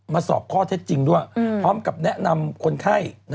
ที่เป็นเรื่องคือล่าสุดนะ